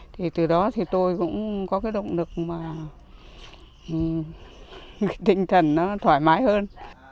thì từ đó thì tôi cũng có cái động lực mà tinh thần nó thoải mái hơn